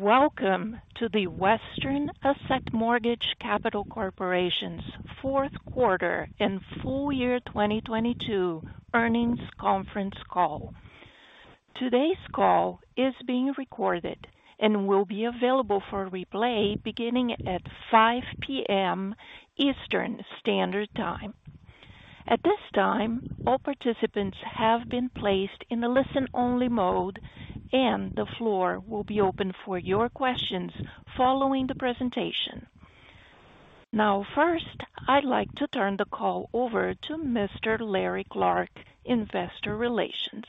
Welcome to the Western Asset Mortgage Capital Corporation's Fourth Quarter and Full Year 2022 Earnings Conference Call. Today's call is being recorded and will be available for replay beginning at 5:00 P.M. Eastern Standard Time. At this time, all participants have been placed in a listen-only mode, and the floor will be open for your questions following the presentation. First, I'd like to turn the call over to Mr. Larry Clark, investor relations.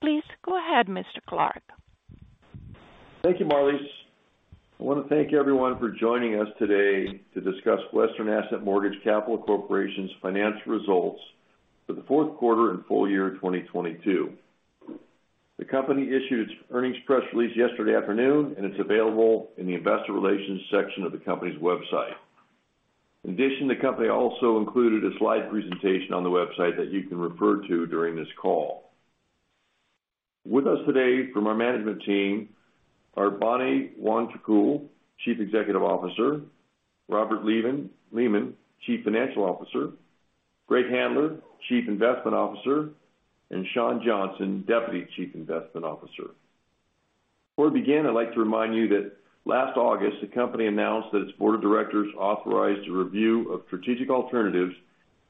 Please go ahead, Mr. Clark. Thank you, Marlies. I wanna thank everyone for joining us today to discuss Western Asset Mortgage Capital Corporation's Financial Results for the Fourth Quarter and Full Year 2022. The company issued its earnings press release yesterday afternoon, and it's available in the investor relations section of the company's website. In addition, the company also included a slide presentation on the website that you can refer to during this call. With us today from our management team are Bonnie Wongtrakool, Chief Executive Officer, Robert Lehman, Chief Financial Officer, Greg Handler, Chief Investment Officer, and Sean Johnson, Deputy Chief Investment Officer. Before we begin, I'd like to remind you that last August, the company announced that its board of directors authorized a review of strategic alternatives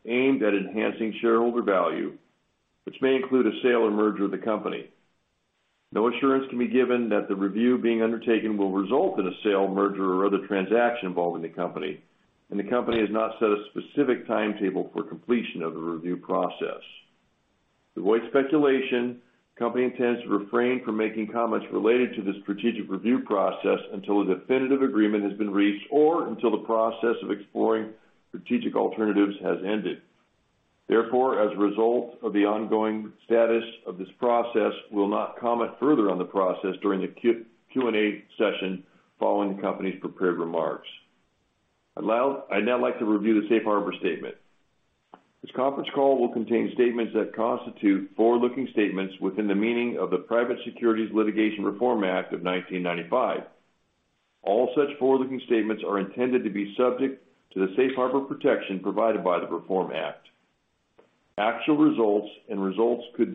aimed at enhancing shareholder value, which may include a sale or merger of the company. No assurance can be given that the review being undertaken will result in a sale, merger, or other transaction involving the company, and the company has not set a specific timetable for completion of the review process. To avoid speculation, the company intends to refrain from making comments related to the strategic review process until a definitive agreement has been reached or until the process of exploring strategic alternatives has ended. As a result of the ongoing status of this process, we'll not comment further on the process during the Q&A session following the company's prepared remarks. I'd now like to review the safe harbor statement. This conference call will contain statements that constitute forward-looking statements within the meaning of the Private Securities Litigation Reform Act of 1995. All such forward-looking statements are intended to be subject to the safe harbor protection provided by the Reform Act. Actual outcomes and results could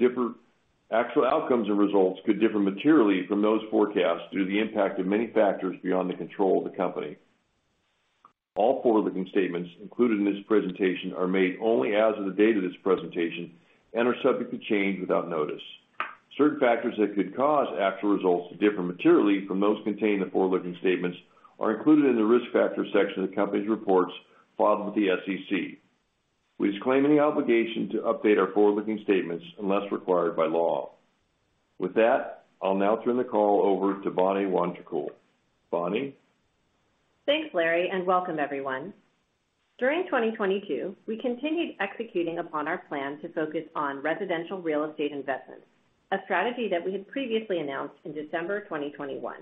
differ materially from those forecasts due to the impact of many factors beyond the control of the company. All forward-looking statements included in this presentation are made only as of the date of this presentation and are subject to change without notice. Certain factors that could cause actual results to differ materially from those contained in the forward-looking statements are included in the Risk Factors section of the company's reports filed with the SEC. We disclaim any obligation to update our forward-looking statements unless required by law. With that, I'll now turn the call over to Bonnie Wongtrakool. Bonnie? Thanks, Larry. Welcome everyone. During 2022, we continued executing upon our plan to focus on residential real estate investments, a strategy that we had previously announced in December 2021.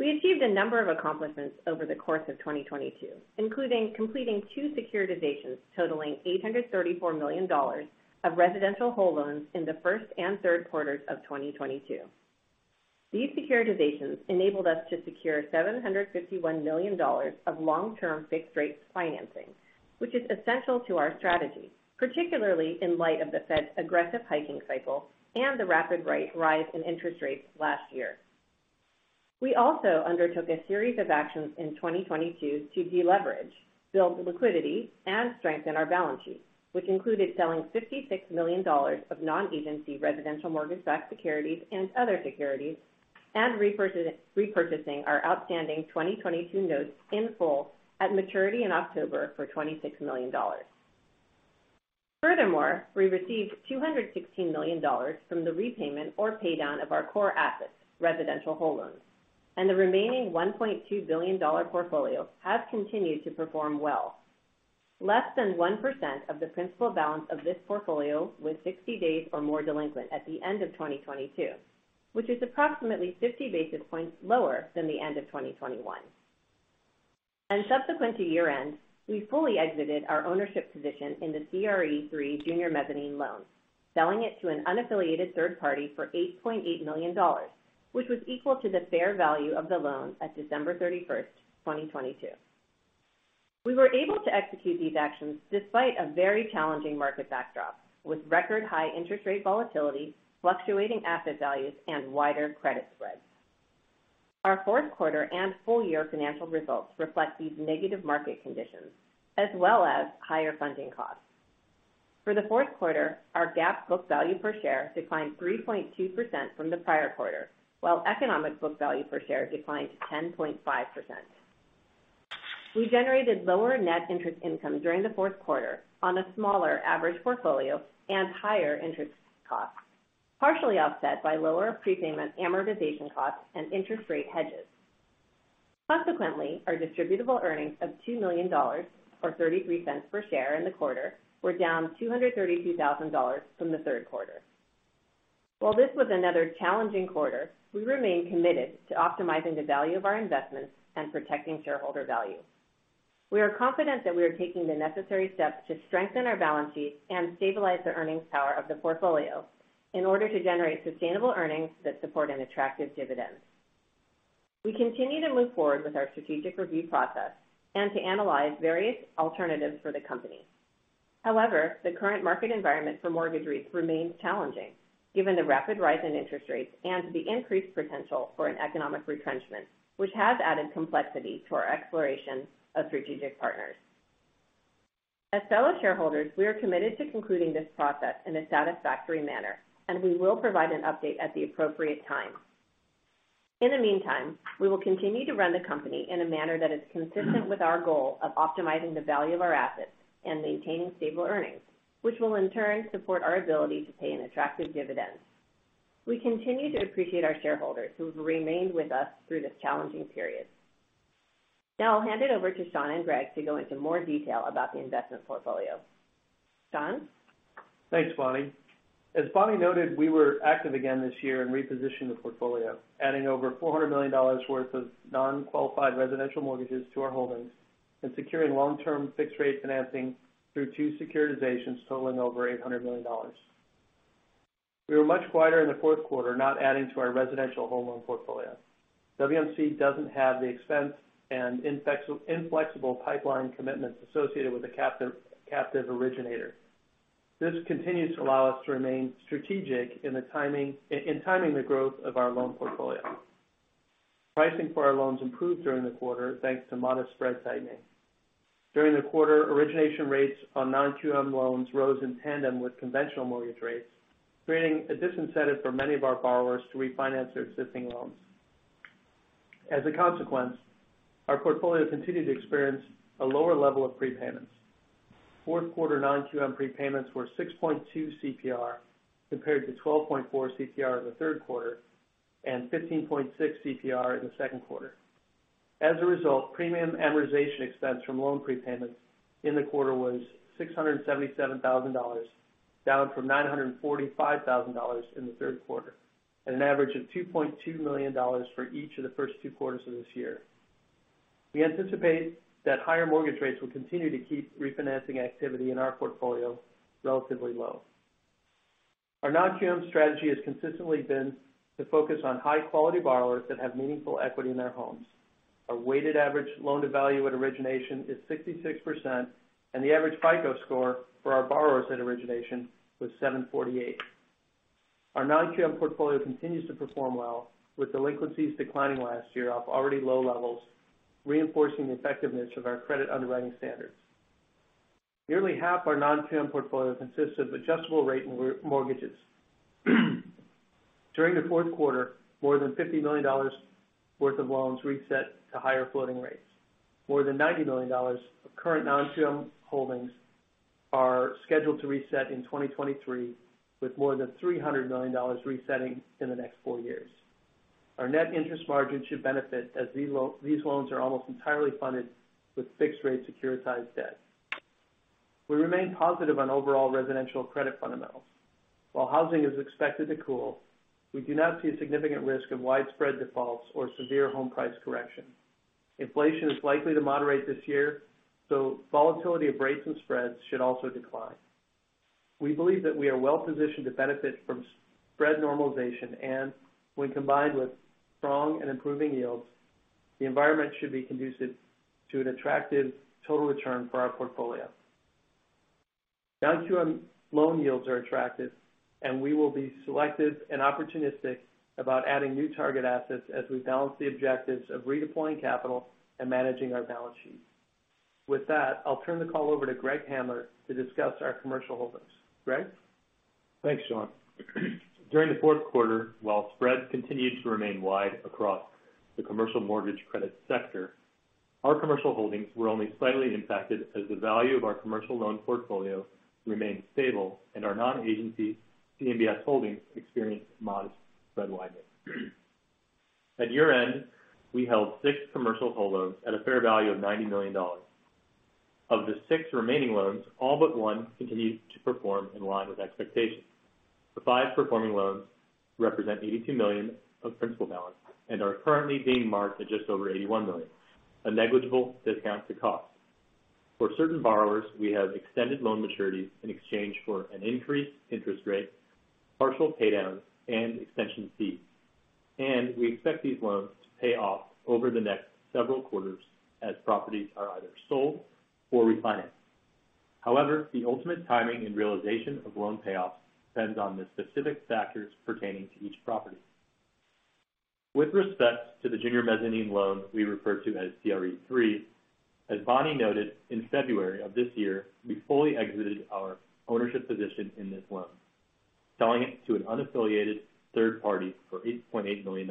We achieved a number of accomplishments over the course of 2022, including completing two securitizations totaling $834 million of residential whole loans in the first and third quarters of 2022. These securitizations enabled us to secure $751 million of long-term fixed rate financing, which is essential to our strategy, particularly in light of the Fed's aggressive hiking cycle and the rapid rise in interest rates last year. We also undertook a series of actions in 2022 to deleverage, build liquidity, and strengthen our balance sheet, which included selling $56 million of Non-Agency Residential Mortgage-Backed Securities and other securities, and repurchasing our outstanding 2022 Notes in full at maturity in October for $26 million. We received $216 million from the repayment or paydown of our core assets, residential whole loans, and the remaining $1.2 billion portfolio has continued to perform well. Less than 1% of the principal balance of this portfolio was 60 days or more delinquent at the end of 2022, which is approximately 50 basis points lower than the end of 2021. Subsequent to year-end, we fully exited our ownership position in the CRE 3 junior mezzanine loan, selling it to an unaffiliated third party for $8.8 million, which was equal to the fair value of the loan at December 31st, 2022. We were able to execute these actions despite a very challenging market backdrop, with record high interest rate volatility, fluctuating asset values, and wider credit spreads. Our fourth quarter and full year financial results reflect these negative market conditions as well as higher funding costs. For the fourth quarter, our GAAP book value per share declined 3.2% from the prior quarter, while economic book value per share declined 10.5%. We generated lower net interest income during the fourth quarter on a smaller average portfolio and higher interest costs, partially offset by lower prepayment amortization costs and interest rate hedges. Consequently, our Distributable Earnings of $2 million, or $0.33 per share in the quarter, were down $232,000 from the third quarter. While this was another challenging quarter, we remain committed to optimizing the value of our investments and protecting shareholder value. We are confident that we are taking the necessary steps to strengthen our balance sheet and stabilize the earnings power of the portfolio in order to generate sustainable earnings that support an attractive dividend. We continue to move forward with our strategic review process and to analyze various alternatives for the company. However, the current market environment for mortgage REITs remains challenging given the rapid rise in interest rates and the increased potential for an economic retrenchment, which has added complexity to our exploration of strategic partners. As fellow shareholders, we are committed to concluding this process in a satisfactory manner. We will provide an update at the appropriate time. In the meantime, we will continue to run the company in a manner that is consistent with our goal of optimizing the value of our assets and maintaining stable earnings, which will in turn support our ability to pay an attractive dividend. We continue to appreciate our shareholders who have remained with us through this challenging period. Now I'll hand it over to Sean and Greg to go into more detail about the investment portfolio. Sean? Thanks, Bonnie. As Bonnie noted, we were active again this year in repositioning the portfolio, adding over $400 million worth of non-qualified residential mortgages to our holdings and securing long-term fixed rate financing through two securitizations totaling over $800 million. We were much quieter in the 4th quarter, not adding to our residential home loan portfolio. WMC doesn't have the expense and inflexible pipeline commitments associated with a captive originator. This continues to allow us to remain strategic in timing the growth of our loan portfolio. Pricing for our loans improved during the quarter, thanks to modest spread tightening. During the quarter, origination rates on non-QM loans rose in tandem with conventional mortgage rates, creating a disincentive for many of our borrowers to refinance their existing loans. As a consequence, our portfolio continued to experience a lower level of prepayments. Fourth quarter non-QM prepayments were 6.2 CPR, compared to 12.4 CPR in the third quarter and 15.6 CPR in the second quarter. As a result, premium amortization expense from loan prepayments in the quarter was $677,000, down from $945,000 in the third quarter, and an average of $2.2 million for each of the first two quarters of this year. We anticipate that higher mortgage rates will continue to keep refinancing activity in our portfolio relatively low. Our non-QM strategy has consistently been to focus on high-quality borrowers that have meaningful equity in their homes. Our weighted average loan-to-value at origination is 66%, and the average FICO score for our borrowers at origination was 748. Our non-QM portfolio continues to perform well, with delinquencies declining last year off already low levels, reinforcing the effectiveness of our credit underwriting standards. Nearly half our non-QM portfolio consists of adjustable rate mortgages. During the fourth quarter, more than $50 million worth of loans reset to higher floating rates. More than $90 million of current non-QM holdings are scheduled to reset in 2023, with more than $300 million resetting in the next four years. Our net interest margin should benefit as these loans are almost entirely funded with fixed rate securitized debt. We remain positive on overall residential credit fundamentals. While housing is expected to cool, we do not see a significant risk of widespread defaults or severe home price correction. Inflation is likely to moderate this year, so volatility of rates and spreads should also decline. We believe that we are well positioned to benefit from spread normalization, and when combined with strong and improving yields, the environment should be conducive to an attractive total return for our portfolio. Non-QM loan yields are attractive, and we will be selective and opportunistic about adding new target assets as we balance the objectives of redeploying capital and managing our balance sheet. With that, I'll turn the call over to Greg Handler to discuss our commercial holdings. Greg? Thanks, Sean. During the fourth quarter, while spreads continued to remain wide across the commercial mortgage credit sector, our commercial holdings were only slightly impacted as the value of our commercial loan portfolio remained stable and our Non-Agency CMBS holdings experienced modest spread widening. At year-end, we held six commercial whole loans at a fair value of $90 million. Of the six remaining loans, all but one continued to perform in line with expectations. The five performing loans represent $82 million of principal balance and are currently being marked at just over $81 million, a negligible discount to cost. For certain borrowers, we have extended loan maturities in exchange for an increased interest rate, partial pay downs, and extension fees, and we expect these loans to pay off over the next several quarters as properties are either sold or refinanced. However, the ultimate timing and realization of loan payoffs depends on the specific factors pertaining to each property. With respect to the junior mezzanine loan we refer to as CRE 3, as Bonnie Wongtrakool noted, in February of this year, we fully exited our ownership position in this loan, selling it to an unaffiliated third party for $8.8 million,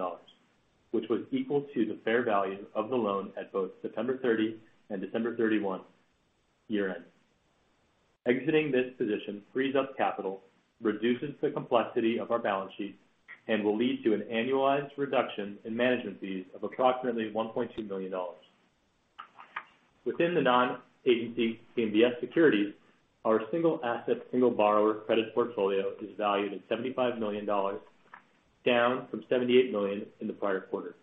which was equal to the fair value of the loan at both September 30 and December 31 year-end. Exiting this position frees up capital, reduces the complexity of our balance sheet, and will lead to an annualized reduction in management fees of approximately $1.2 million. Within the Non-Agency CMBS securities, our single asset, single borrower credit portfolio is valued at $75 million. Down from $78 million in the prior quarter.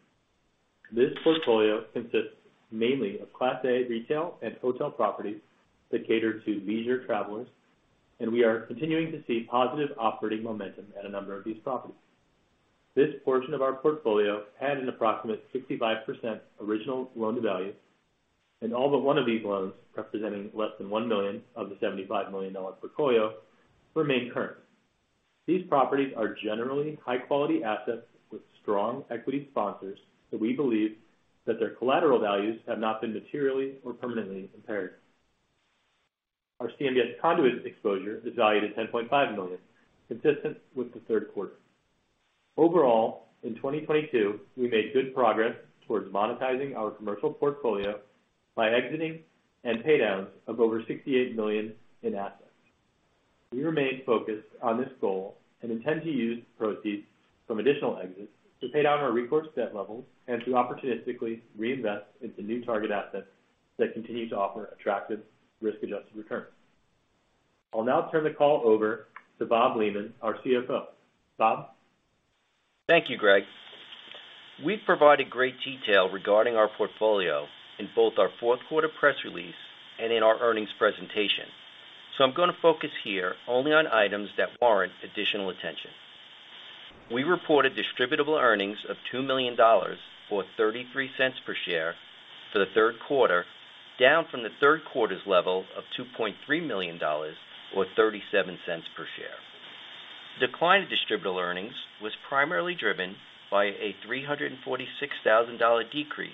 This portfolio consists mainly of Class A retail and hotel properties that cater to leisure travelers, we are continuing to see positive operating momentum at a number of these properties. This portion of our portfolio had an approximate 65% original loan to value, all but one of these loans, representing less than $1 million of the $75 million portfolio, remain current. These properties are generally high quality assets with strong equity sponsors that we believe that their collateral values have not been materially or permanently impaired. Our CMBS conduit exposure is valued at $10.5 million, consistent with the third quarter. Overall, in 2022, we made good progress towards monetizing our commercial portfolio by exiting and pay downs of over $68 million in assets. We remain focused on this goal and intend to use proceeds from additional exits to pay down our recourse debt levels and to opportunistically reinvest into new target assets that continue to offer attractive risk-adjusted returns. I'll now turn the call over to Bob Lehman, our CFO. Bob? Thank you, Greg. We've provided great detail regarding our portfolio in both our fourth quarter press release and in our earnings presentation. I'm gonna focus here only on items that warrant additional attention. We reported Distributable Earnings of $2 million, or $0.33 per share for the third quarter, down from the third quarter's level of $2.3 million or $0.37 per share. Decline in Distributable Earnings was primarily driven by a $346,000 decrease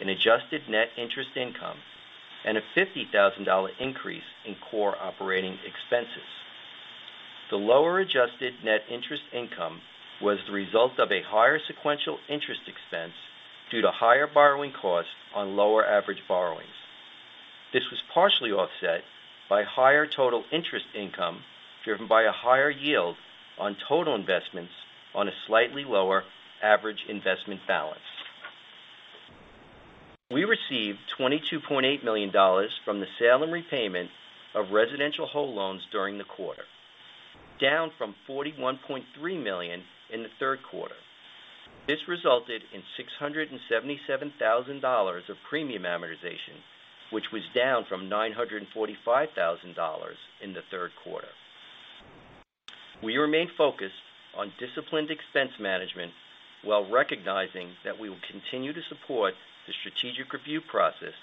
in adjusted net interest income and a $50,000 increase in core operating expenses. The lower adjusted net interest income was the result of a higher sequential interest expense due to higher borrowing costs on lower average borrowings. This was partially offset by higher total interest income, driven by a higher yield on total investments on a slightly lower average investment balance. We received $22.8 million from the sale and repayment of residential whole loans during the quarter, down from $41.3 million in the third quarter. This resulted in $677,000 of premium amortization, which was down from $945,000 in the third quarter. We remain focused on disciplined expense management while recognizing that we will continue to support the strategic review process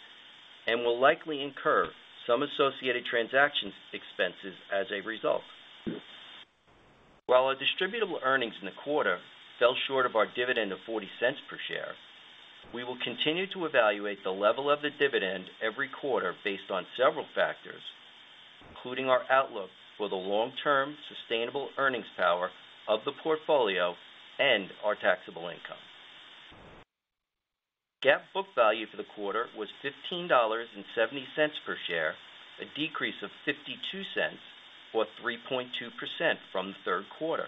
and will likely incur some associated transactions expenses as a result. While our distributable earnings in the quarter fell short of our dividend of $0.40 per share, we will continue to evaluate the level of the dividend every quarter based on several factors, including our outlook for the long-term sustainable earnings power of the portfolio and our taxable income. GAAP book value for the quarter was $15.70 per share, a decrease of $0.52 or 3.2% from the third quarter.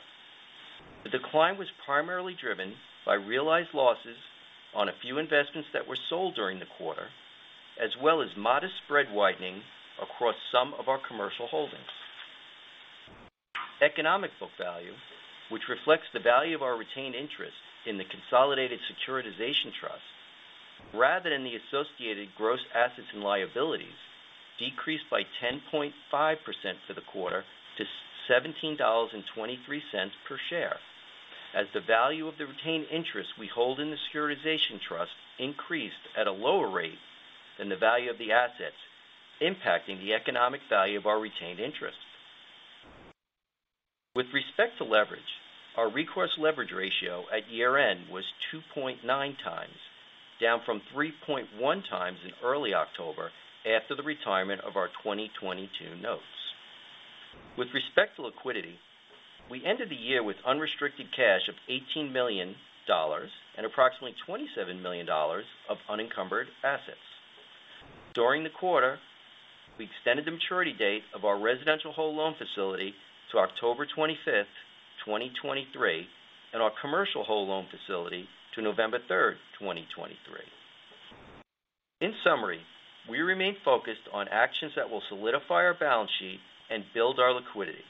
The decline was primarily driven by realized losses on a few investments that were sold during the quarter, as well as modest spread widening across some of our commercial holdings. Economic book value, which reflects the value of our retained interest in the consolidated securitization trust rather than the associated gross assets and liabilities, decreased by 10.5% for the quarter to $17.23 per share. The value of the retained interest we hold in the securitization trust increased at a lower rate than the value of the assets, impacting the economic value of our retained interest. With respect to leverage, our recourse leverage ratio at year-end was 2.9x, down from 3.1x in early October after the retirement of our 2022 Notes. With respect to liquidity, we ended the year with unrestricted cash of $18 million and approximately $27 million of unencumbered assets. During the quarter, we extended the maturity date of our residential whole loan facility to October 25, 2023, and our commercial whole loan facility to November 3rd, 2023. In summary, we remain focused on actions that will solidify our balance sheet and build our liquidity.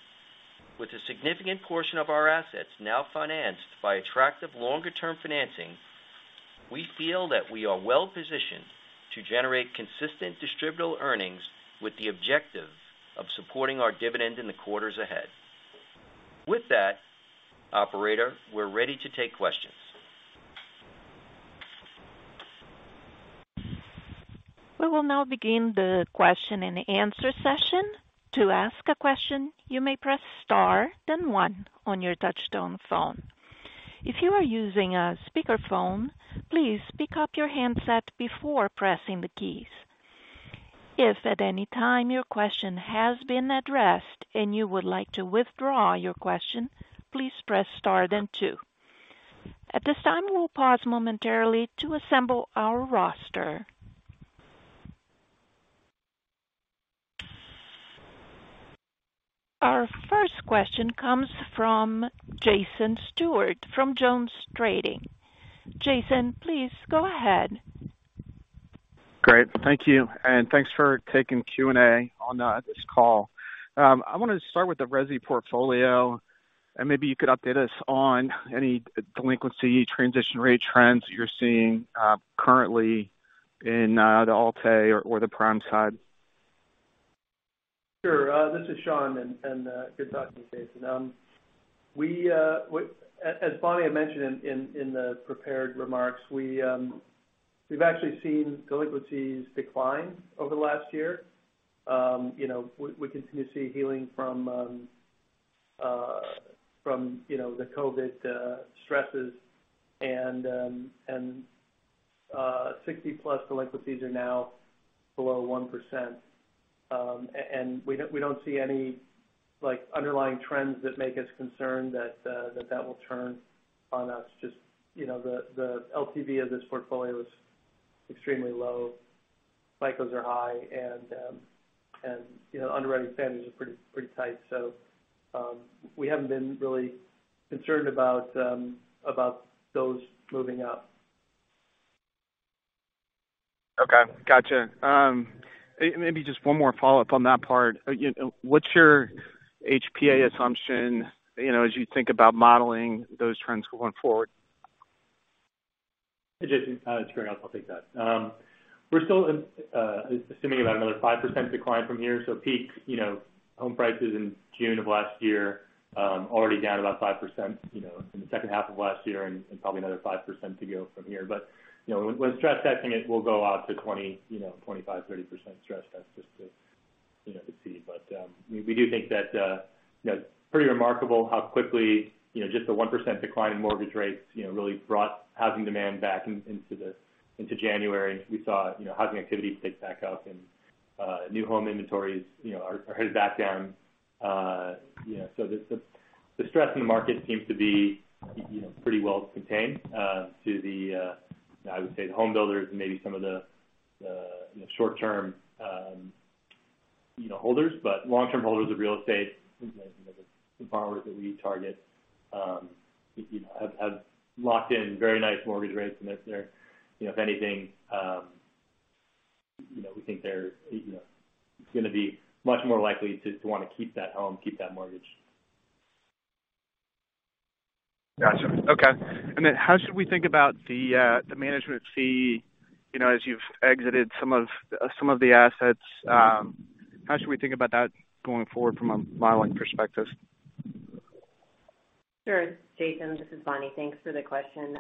With a significant portion of our assets now financed by attractive longer-term financing, we feel that we are well positioned to generate consistent Distributable Earnings with the objective of supporting our dividend in the quarters ahead. With that, operator, we're ready to take questions. We will now begin the question and answer session. To ask a question, you may press star then one on your touchtone phone. If you are using a speakerphone, please pick up your handset before pressing the keys. If at any time your question has been addressed and you would like to withdraw your question, please press star then two. At this time, we'll pause momentarily to assemble our roster. Our first question comes from Jason Stewart from Jones Trading. Jason, please go ahead. Great. Thank you, and thanks for taking Q&A on this call. I wanna start with the resi portfolio, and maybe you could update us on any delinquency transition rate trends you're seeing currently in the Alt-A or the prime side. Sure. This is Sean, and good talking to you, Jason. We, as Bonnie had mentioned in the prepared remarks, we've actually seen delinquencies decline over the last year. You know, we continue to see healing from, you know, the COVID stresses and 60+ delinquencies are now below 1%. And we don't see any, like, underlying trends that make us concerned that will turn on us. Just, you know, the LTV of this portfolio is extremely low. CMOs are high, and, you know, underwriting standards are pretty tight. We haven't been really concerned about those moving up. Okay. Gotcha. maybe just one more follow-up on that part. you know, what's your HPA assumption, you know, as you think about modeling those trends going forward? Hey, Jason, it's Greg. I'll take that. We're still assuming about another 5% decline from here. Peak, you know, home prices in June of last year, already down about 5%, you know, in the second half of last year and probably another 5% to go from here. You know, when stress testing it, we'll go out to 20, you know, 25%-30% stress test just to, you know, to see. We, we do think that, you know, pretty remarkable how quickly, you know, just the 1% decline in mortgage rates, you know, really brought housing demand back in, into the, into January. We saw, you know, housing activity pick back up and new home inventories, you know, are headed back down. You know, so the stress in the market seems to be, you know, pretty well contained, to the, I would say the home builders and maybe some of the, you know, short-term, you know, holders. Long-term holders of real estate, you know, the borrowers that we target, you know, have locked in very nice mortgage rates. If they're, you know, if anything, you know, we think they're, you know, gonna be much more likely to wanna keep that home, keep that mortgage. Gotcha. Okay. Then how should we think about the management fee, you know, as you've exited some of the assets? How should we think about that going forward from a modeling perspective? Sure. Jason, this is Bonnie. Thanks for the question.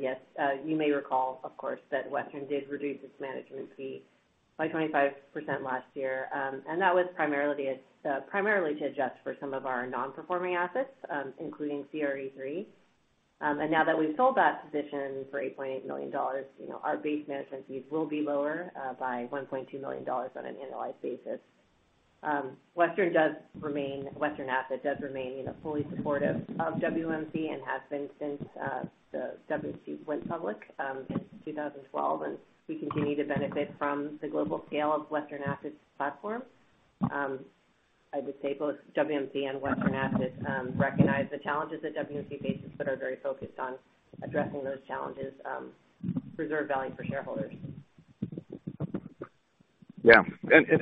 Yes, you may recall, of course, that Western did reduce its management fee by 25% last year. That was primarily to adjust for some of our non-performing assets, including CRE 3. Now that we've sold that position for $8.8 million, you know, our base management fees will be lower by $1.2 million on an annualized basis. Western Asset does remain, you know, fully supportive of WMC and has been since the WMC went public since 2012, and we continue to benefit from the global scale of Western Asset's platform. I would say both WMC and Western Asset recognize the challenges that WMC faces but are very focused on addressing those challenges, preserve value for shareholders. Yeah.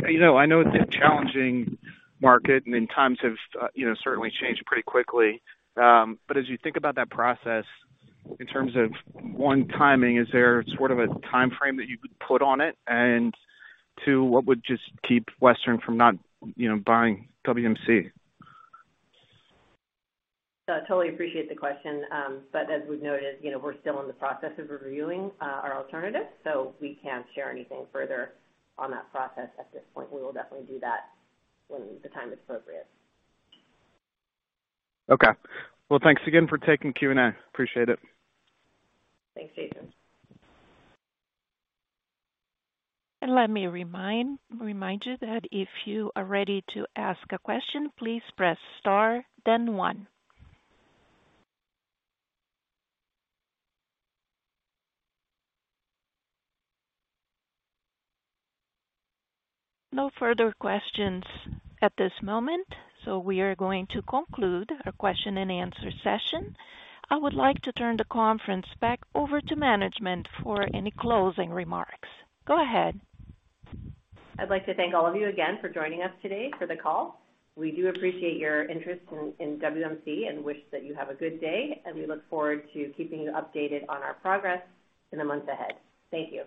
You know, I know it's a challenging market, times have you know, certainly changed pretty quickly. As you think about that process in terms of, one, timing, is there sort of a timeframe that you could put on it? Two, what would just keep Western from not, you know, buying WMC? I totally appreciate the question. As we've noted, you know, we're still in the process of reviewing our alternatives, so we can't share anything further on that process at this point. We will definitely do that when the time is appropriate. Okay. Well, thanks again for taking Q&A. Appreciate it. Thanks, Jason. Let me remind you that if you are ready to ask a question, please press star then one. No further questions at this moment. We are going to conclude our question and answer session. I would like to turn the conference back over to management for any closing remarks. Go ahead. I'd like to thank all of you again for joining us today for the call. We do appreciate your interest in WMC and wish that you have a good day, and we look forward to keeping you updated on our progress in the months ahead. Thank you.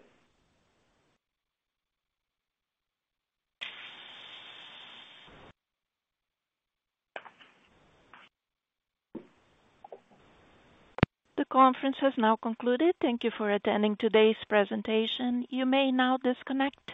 The conference has now concluded. Thank you for attending today's presentation. You may now disconnect.